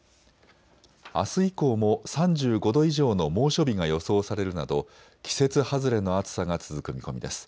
あす以降も３５度以上の猛暑日が予想されるなど季節外れの暑さが続く見込みです。